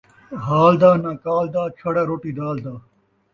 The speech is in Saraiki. حال دا ناں قال دا ، چھڑا روٹی دال دا